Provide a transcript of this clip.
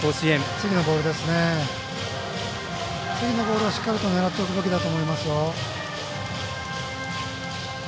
次のボールをしっかりと狙っていくべきだと思います。